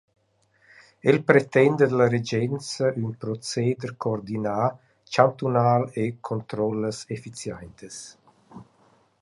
El pretenda da la regenza ün proceder coordinà chantunal e controllas efficiaintas.